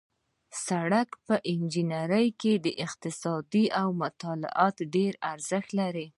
د سړک په انجنیري کې اقتصادي مطالعات ډېر ارزښت لري